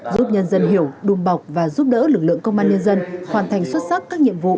giúp nhân dân hiểu đùm bọc và giúp đỡ lực lượng công an nhân dân hoàn thành xuất sắc các nhiệm vụ